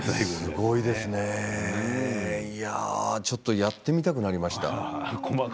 ちょっとやってみたくなりました。